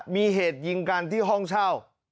มีเหตุยิงกันที่ห้องเช่า